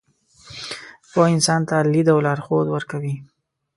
پوهه انسان ته لید او لارښود ورکوي.